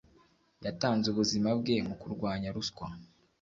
Yatanze ubuzima bwe mu kurwanya ruswa